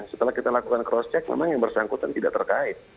setelah kita lakukan cross check memang yang bersangkutan tidak terkait